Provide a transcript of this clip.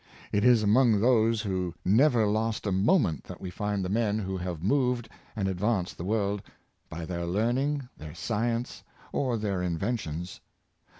It is among those who never lost a moment that we find the men who have moved and advanced the world — by their learning, their science, or their inventions.